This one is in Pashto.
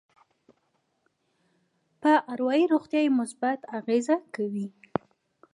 په اروایي روغتيا يې مثبت اغېز کوي.